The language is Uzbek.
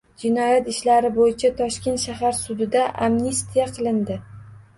Jinoyat ishlari bo'yicha Toshkent shahar sudida amnistiya qilindi.